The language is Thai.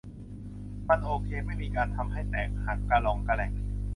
มันโอเค ไม่มีการทำให้แตกหักกะร่องกะแร่ง